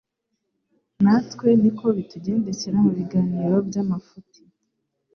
Natwe niko bitugendekera: mu biganiro by'amafuti,